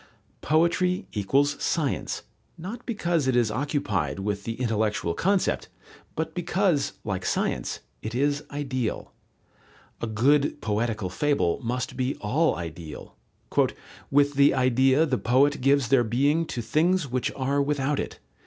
Poetry equals science, not because it is occupied with the intellectual concept, but because, like science, it is ideal. A good poetical fable must be all ideal: "With the idea the poet gives their being to things which are without it.